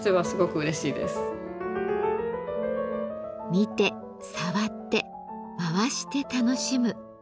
見て触って回して楽しむ。